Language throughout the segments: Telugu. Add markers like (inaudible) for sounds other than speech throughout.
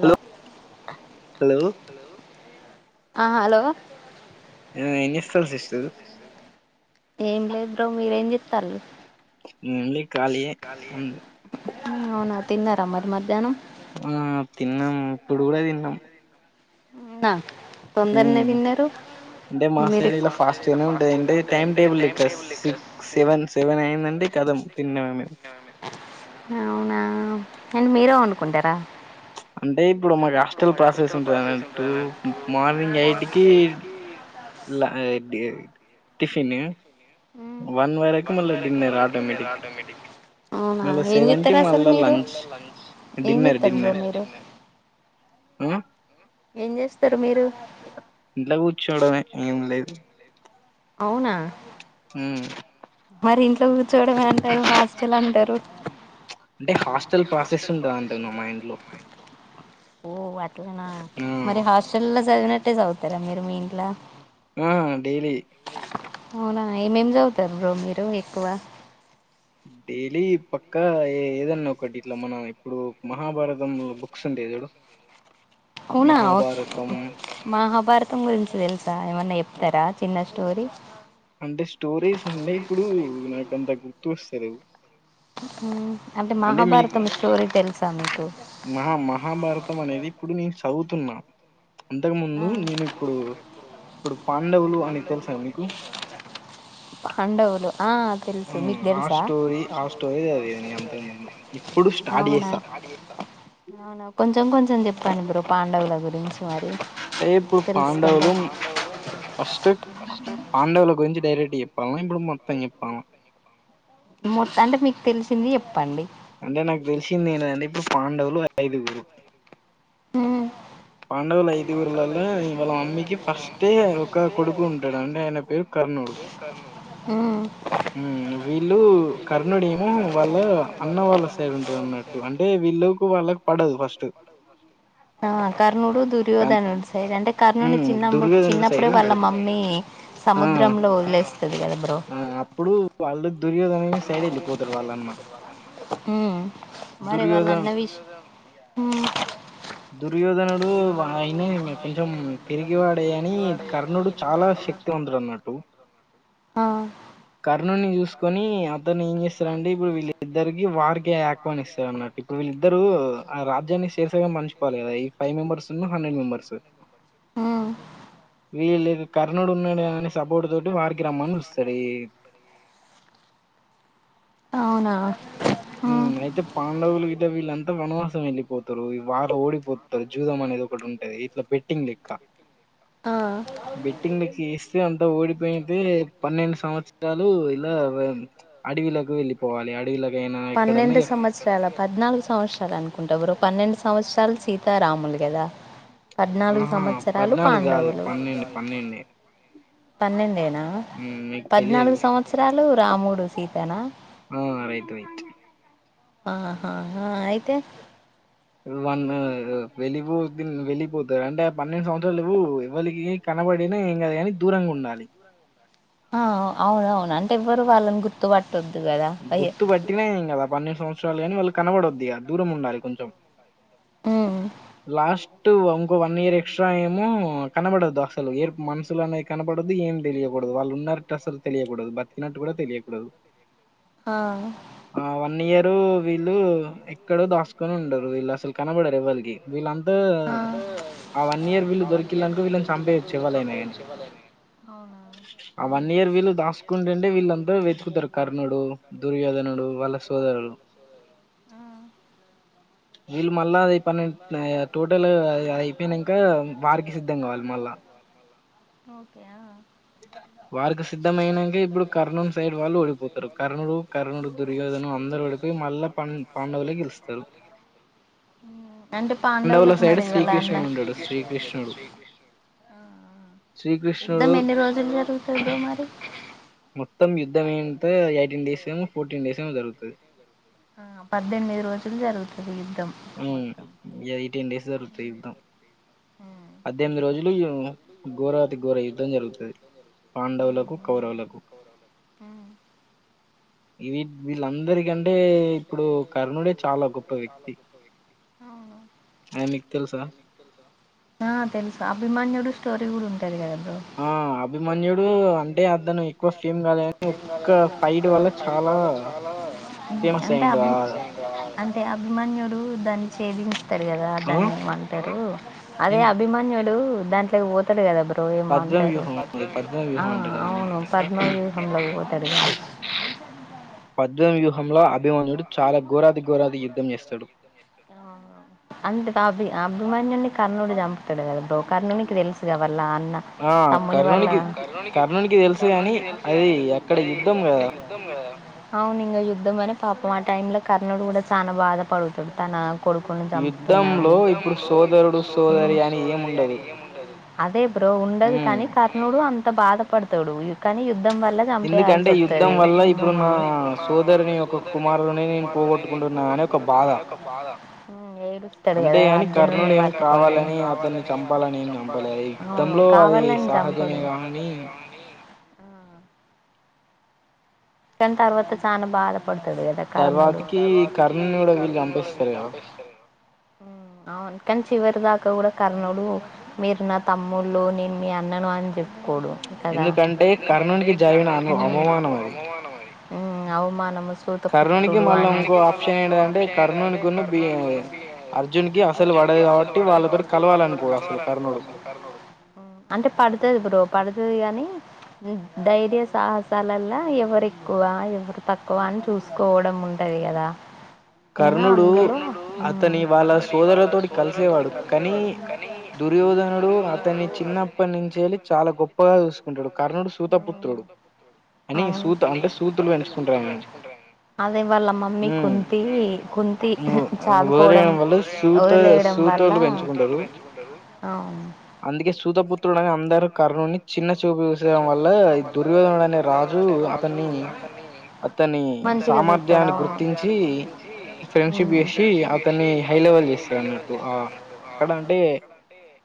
హలో హలో ఆ హలో ఆ ఏం చేస్తావ్ సిస్టర్ ఏం లేదు బ్రో మీరేం చెతారు నండి అవునా తిందార అమ్రి మర్దానం ఆ తిన్నాం ఇప్పుడు కూడా తిన్నాం అవన మ్మ అంటే మా సైడ ఇలా ఫాస్ట్గానే ఉంటుది అంటే టైమ్ టేబుల్ ఇక్కడ సిక్స్ సెవెన్ సెవెన్ అయిందండి కదం తిన్నామే మేము అవునా అని మీర అనుకుంటారా అంటే ఇప్పుడు మగా హాస్టల్ పాసేస్ ఉంటది అన్నట్టు మార్నింగ్ ఎయిట్ కి లా డి టిఫిను వన్ వరకు మల్ల డిన్నర్ ఆటోమేటిక్ అవునా ఏం జేత్తరు అసలు మీరు, ఏం జేత్తరు బ్రో మీరు? ఏం చేస్తరు మీరు? ఇంట్ల కూర్చోడమే ఏం లేదు. అవునా హ్మ్ మరి ఇంట్లో కు ర్చోవడం అంటారు, హాస్టల్ అంటారు. హాస్ ఓ అట్లనా మరి హాస్టల్లో చదివినట్ ట్టే చదువుతారా మీరు మీ ఇంట్లా? అవునా ఏమేమేం చదువుతరు బ్రో మీరు ఎక్కువ? డైలీ పక్కా ఏ ఏదన్నా ఒకటి ఇట్లా మన ఇప్పుడు మహాభారతం బుక్స్ ఉంటయి చూడు. అవునా మహాభారతం గురించి తెలుసా ఏమన్నా చెప్తారా చిన్న స్టోరి అంటే స్టోరీస్ అంటే ఇప్పుడు నాకంత గు ర్తొస్త లేవు మ్ అంటే మీకు మహా మహాభారతం అనేది ఇప్పుడు నేన్ తవుతున్నా అంతకు ముందు నేను ఇప్పుడు ప్పుడు పాండవులు ఆ తెలుసు. మీకు తెలుసా? అవునా అవునా కొంచెం కొంచెం చెప్పండి బ్రో పాండవుల గు అంటే ఇప్పుడు పాండవులు ఫస్ ట్ పాండ వుల గురించి డైరెక్ట్ చెప్పాల్నా, ఇప్పుడు మొత్తం చెప్పాల్నా. మొత్త అంటే మీక్ తెలిసింది చెప్పండి. అంటే నాకు తెలిసిందేంటంటే, ఇప్పుడు పాండవులు ఐదుగురు. హ్మ్ పాండవులు ఐదుగుర్లల వాళ మమ్మీకి ఫస్టే ఒక కొడుకు ఉంటాడం ఆయన పేరు కర్ణుడు. కర్నూ హ్మ్ వీల్లూ కర్ణుడేమో వాల్ల అన్న వాల్ల సైడ్ ఉంటడఅన్నట్టు అంటే వీల్లకూ వాల్లక్ పడదుఫ ఆ కర్ణుడు, దుర్ దుర్యోధనుడి సైడ్ అంటే కర్ణుడ్ని చిన్నప్ చిన్నప్పుడే వాళ్ల మమ్మీ సముద్రంలో వదిలేస్తది కద బ్రో. హ్మ్మ్ మరి వాళ్లన్న విష్ హ్మ్ దుర్యోధనుడూ వ అయనే కొంచెం పెరిగి చివాడేగానీ కర్ణుడు చాలా శక్తివంతుడు అన్నట్టు, కర్ణుడ్ని చూసుకొనీ అతని ఏంచేస్ రాండి ఇప్పుడు వీళ్లిద్దరికీ వారి కే ఆక్వానిస్తారు అన్నమాట, ఇప్పుడు వీళ్ళిద్దరు ఆ రాజ్యాన్ని చెరిసగం పంచు ఫేవై ఫైవ్ మెంబర్స్ ను హండ్రెడ్ మెంబర్స్. (unintelligible) కర్ణుడు ఉన్నాడు అని సపోర్టు తోటి వారికి రమ్మనొస్తదీ. హ్మ్ అయితే పాండవులు ఇటెవి వీల్లంతా వనవాసం ఎల్లిపోతరు, వారు ఓడిపోతరు జూదం అనేది ఒకటి ఉంటది, ఇట్ల బెట్టింగ్ లెఖ్క. బెట్టింగ్లకి ఇస్తే అంతా ఓడిపోయితే, పన్నెండు సంవత్సరాలు ఇలా వ అడివిలోకి వెల్లిపోవాలి. అ పన్నెండు సంవత్సరాలా? పద్నాలుగు సవత్సరాలు అనుకుంటా బ్రో. పన్నె నెండు సంవత్సరాలు సీతారాములు గదా. పద్నాలుగు సంవత్సరాలు. కాదు పన్నెండు పన్నెండే. పన్నెండేన్ నా పద్నాలుగు సంవత్సరా లు రాముడు సీతనా? ఆ రైట్ రైట్. ఆహా ఆ అయితె. వన్ ఆ వెల్లిపో పిన్ వెల్లిపోతా అంటే ఆపన్నెండు సంవత్సరాలూ ఎవ్వలికీ కనపడినా ఏంగాదు గాని దూరంగా ఉండాలి. ఆ అవునవును అంటే ఎవ్వరు వాల్లని గుర్తుప గుర్తుపట్టినా ఏంగాదు. ఆ పన్నెండు సంవత్సరా లు కాని వాళ్లు కనబడొద్దిగ, దూరం ఉండాలి కొంచెం. లాష్ టూ ఉంకో వన్ ఇయర్ ఎక్స్ట్రా ఏమో కనబడొద్దు అసలు ఏర్ మనసులో అన్నా ఎ కనపడొద్దు ఏం తెలియకూడదు, వాళ్లు ఉన్నర్టు అసలు తెలియకూడదు, బతికినట్టు గుడా తెలియకూడదు. ఆ ఈళ్ళు ఎక్కడో దాసుకొని ఉండరు ఈళ్లసలు కనబడరు ఎవరికి వీళ్ళంతా ఆ వన్ ఇయర్ వీలు దొరికిలాక వీళ్ళని చంపేయచ్చు ఇవ్వాలనా కానీ ఆ వన్ ఇయర్ వీళ్లుు దాసుకుంటంటే వీళ్ళంతరూ వెతుకు దొరక కర్ణుడు దుర్యోధనుడు వాళ్ళ సోదరు వీళ్ళు మళ్ళాది పన్నెం తో పట్టలు అయిపోయినంక వార్కి సిద్ధం గావాలి మళ్ళా ఓకే వార్ కి సిద్ధమయినాక ఇప్పుడు కర్ణుం సైడ్ వాళ్ళు ఓడిపోతారు కర్ణుడు కర్ణుడు దుర్యోధను అందరూ ఓడిపోయి మళ్ళా పాండవులే గెలుస్తారు ఉ అంటే పాండవులు మరి ఎలా అన్నా యుద్ధం ఎన్ని రోజులు జరుగుతుందో మరి మొత్తం యుద్ధం ఏంత ఎయిటీన్ డేస్ ఏమో ఫోర్టీన్ డేస్ ఏమో జరుగుతుంది ఆ పద్దెనిమిది రోజులు జరుగుతది ఎయిటీన్ డేస్ జరుగుతాయి యుద్ధం పద్దెనిమిది రోజులు గోరా గోర యుద్ధం జరుగుతది పాండవులకు కౌరవులకు వీ వీళ్ళందరిక కంటే ఇప్పుడు కర్ణుడే చాలా గొప్ప వ్యక్తి ఆ తెలుసు అభిమన్యుడు స్టోరి గూడా ఉంటది గదా ఆ అభిమన్యుడు అంటే ను ఎక్కువ ఫేమ్ గాలేగాని ఒక్క ఫైట్ వల్ల చాలా ఫేమస్ అయ్యిండు ఆ అంటే అభిమన్యుడు దాని చేదిస్తారు గదా దాన్ని అంటరు అదే అభిమాన్యుడు దాంట్లోకి పోతడు గదాప్పుడు ఏమో అంటరు ఆ అవును పద్మ వ్యూహం లోకి పోతడుగా పద్మ వ్యూహంలో అభిమాన్యుడు చాలా ఘోరాతి ఘోరంగా యుద్ధం జేస్తాడు అంత బాబీ ఆగు మన్యున్ని కర్ణుడు జంపుతాడు గద బ్రో కర్ణుకి తెలుసు కావ ళ్ల అన్న తమ్ముని వల్ళ తెలు కాని అది అవును ఇంగ యుద్ధం అని పాపం ఆ టైమ్ లో కర్ణుడు కూడా చాలా బాధపడుతాడు తన కొడుకుని జంపుతున్నా ఇప్పుడు సోదరుడు సోదరి అని ఏముండదు అదే ప్పు ఉండదు కానీ కర్నూడు అంత బాధపడతాడు కాని ఎందుకంటే యుద్ధం వల్ల ఇప్పుడు నా సోదరిని ఒక కుమారుడునే నేను పోగొట్టుకుంటున్నా అని ఒక బాధ ఏడుస్తాడు కదా అర్జును పట్టుకని అవును కావాలని చంపదు కనీ తర్వత చన బాల అవును చివరి దాకా కూడా కర్ణుడు మీరు నా తమ్ముళ్ళ నేను మీ అన్నను అని చెప్ డు కదా ఎందుకంటే అమ్ ఉ అవుమా నమస్త సూత పత్రుడు అనిబట్ అంటే పడుతుంది బ్రో పడుతుంది కాని ధైర్య సాహసాలలా ఎవరికి తక్కువ ఎవరు తక్కువ అని చూసుకోవడం ఉంటది కదా కర్ణుడు అతని వాళ్ళ సోదరులతోటి కలిసేవాడు కానీ దుర్యోధనుడు అతని చిన్నప్పటి నుంచి వెళ్ళి చాలా గొప్పగా చూసుకుంటాడు కర్ణుడు సూతపుత్రుడు అని సూత అదే వాళ్ళ మమ్మీ కుంతి కుంతి చాదుకోవడం వదిలేయడం వల్ల అవును అందరుూ కరుని చిన్న చూపిన్చడం వల్ల ఈ దుర్యోధనుడు అనే రాజు అతన్ని అతని సామర్థ్యాన్ని గుర్తించి ఫ్రెండ్షిప్ చేసి అతన్ని హై లెవెల్ చేస్తారు అన్నట్టు ఆ అక్కడ అంటే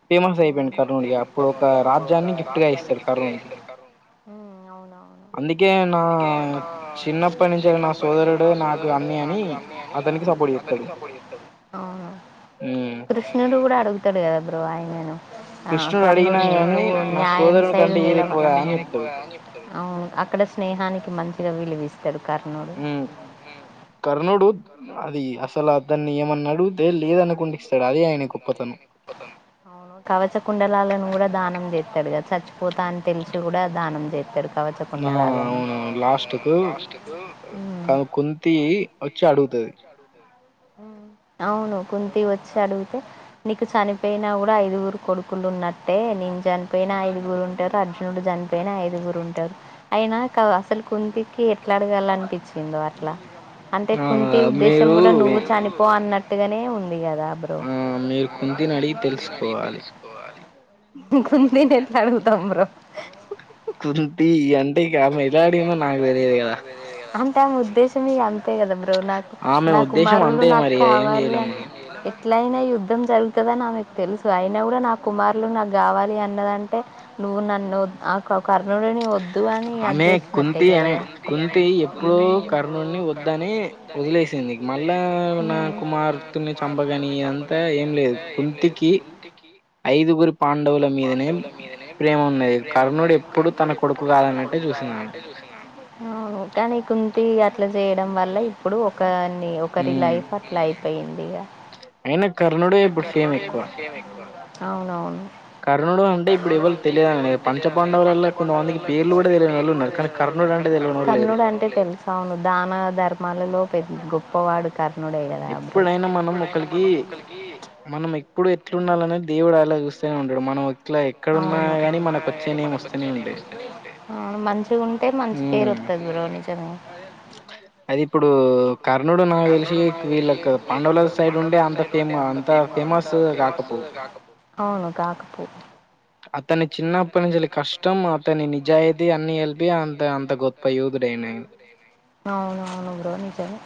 ఫేమస్ అయిపోయిడు కరుూడిగా అప్పుడు ఒక రాజ్యాన్ని గిఫ్ట్ గా ఇస్తారు క ఇస్తారు క అవువు అందుకే నా చిన్నప్పటి నుంచి నా సోదరుడు నాకు అమ్ ఆ కృష్ణ కూ అడుగు ఎత్తడు కదా బ్ర ఆయి నేను కృష్ణుడు అడిగినా కానీ నా సోదరు నీలవర అ అక్కడ స్నేహానికి మ మంచిగా విలుపిస్తారు ఉ కర్నూడు అది అసలు అద్దన్ని ఏమన్నాడుదే లేదనుకుండి ఇస్తాడు అదే ఆయన గొప్పతనం అవును కవచ కుండలాలను కూడా దానం చేస్తాడు కదా చచ్చిపోతా అని తెలిసి కూడా దానం చేస్తాడు ఆ అవును లాస్ట్ కు కుంతి వచ్చి అడుగుతుది అవును కుంతి వచ్చి అడిగితే నీకు చనిపోయినా కూడా ఐదుగురు కొడుకులుు ఉన్నట్టే నేను చనిపోయిన ఐదుగురు ఉంటారు అర్జునుడు చనిపోయిన ఐదుగురు ఉంటారు అయినా అసలు కుంతికి ఎట్లా అడగాల అనిపించిందో అట్లా అంటే కుంతి ఉద్దేశం కూడా నువ్వు చనిపో అన్నట్టు ట్గనే ఉన్ ది కదా బ్రొ కుంది ని ఎట్ల అడుగుతాం బ్రొ కుంతీ అం అంటే ఆమె ఉద్దేశం ఇగ అం తే గదా నాకు నా కుమారులు నాకు కావాలి అని ఎట్లయినా యుద్ధం జరుగుతది అని ఆమెకు తెలుసు అయినా గూడా నా కుమారులు నాగ్గావాలి అన్నదంటే నువ్వు నన్ను ఆ పర్ణుడిని వొద్దు అని ఆమె కుంతి అనే కుంతి ఎప్పుడో కర్ణున్ని వద్దని వదిలేసింది మళ్ళా నా కుమార్తెని చంపగని ఇ అంతా ఏం లేదు కుంతికి ఐదు అవును కానీ కుంతీ ట్ల జేయడం వల్ల ఇప్పుడు ఒక ని ఒకరి లైఫ్ అట్లా ఐ పెయిం దిగా అవునవును కర్ణుడు అంటే తెలుసు అవును దాన ధర్మాలలో పెద్ ఒప్పవాడు కర్ ఎప్పుడైనా మనం ఒకలికి మనం ఎప్పుడు ఎట్లుండాలనే దేవుడు అలా చూస్ ఉండడు మనం ఇట్లా ఎక్కడున్నా గాని మనకొచ్చే నేమ్ వస్తనే ఉండే అవును మ చిగ ఉంటే మంచి పేరు వొత్తది బ్రో నిజమే అది ఇప్పుడు అవును కాకపో అతని అవునవును బ్రో నిజమే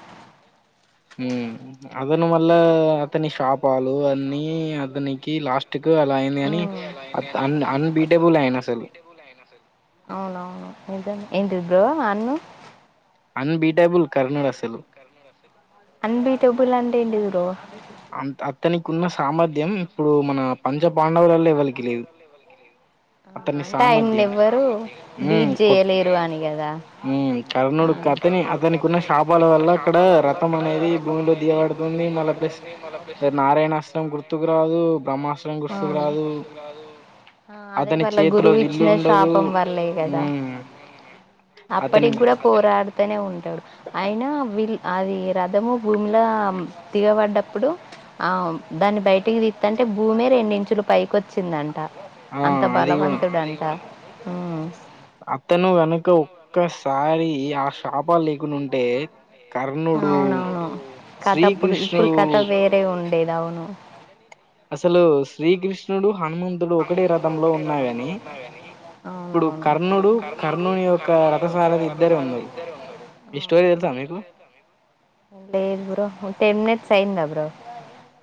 హ్మ్ దను మళ్ళా అతని షాప్ హ్మ్ అవును అవును నిజమే ఏంటిది బ్రో అన్ను అన్బీటెబుల్ కర్ణుడు అసలు అన్బీటబుల్ అంటే ఏంటి బ్రో అ అతనికి కున్న సామర్థ్యం ఇప్పుడు మన పంచ పాండవులలో ఎవరికి లేదు అతని సామర్థ్యం మ్మ్ కొట్ కర్ణుడు అతని అతనికి ఉన్న శాపాల వల్ల అక్కడ రథం అనేది భూమిలో దియబడుతుంది మళ్ళ ప్లస్ నారాయణాశ్రం గుర్తుకు రాదు బ్రహ్మాస్రం గుర్తుకు రాదు అతని అలా గురువు ఇచ్చిన శాపం వల్లే కదా అప్పటికి కూడా పోరాడుతనే ఉంటాడు అయినా విల్ అది రథము భూమిలో దిగబడ్డప్పుడు ఆ దాన్ని బయటికి దిత్తంటే భూమి రెండించులు పైకి వచ్చిందంట అంత్ ంత బలవంతుడు అంట అత్తను వెన క ఒక్క ఒక్కసారి ఆ షాపాలు లేకున్నింటే అవునవును కథ అప్పుడు ఇప్పుడు కథ వేరే ఉండ డేది అవును అసలు శ్రీకృష్ణుడు అవువు లేదు బ సైందవుడు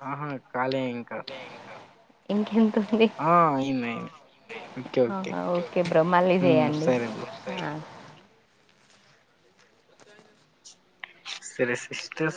ఆహా కాలే ఇంకా ఇంకిం ఆ ఈన్నే ఆహ ఓకే బ్రో మళ్ళీ చెయ్యండి ఆ సరే సిస్టర్